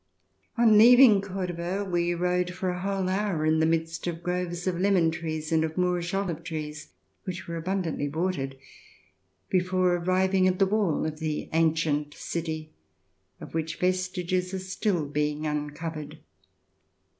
On leaving Cordova, we rode for a whole hour In the midst of groves of lemon trees, and of Moorish olive trees, which were abundantly watered, before arriving at the wall of the ancient city of which vestiges are still being uncovered.